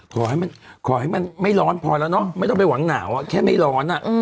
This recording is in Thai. ขอให้มันขอให้มันไม่ร้อนพอแล้วเนอะไม่ต้องไปหวังหนาวแค่ไม่ร้อน